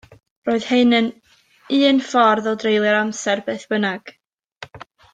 Roedd hyn yn un ffordd o dreulio'r amser, beth bynnag.